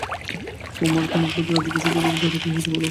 কুমু আর খানিক বাদে আবার জিজ্ঞাসা করলে, দাদা, কী হয়েছে বলো।